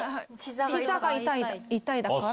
ひざが痛いだから。